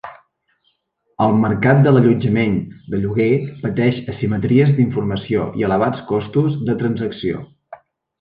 El mercat de l'allotjament de lloguer pateix asimetries d'informació i elevats costos de transacció.